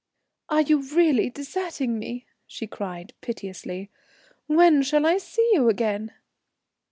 "Are you really deserting me?" she cried piteously. "When shall I see you again?"